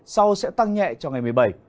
sau sẽ tăng nhẹ trong ngày một mươi bảy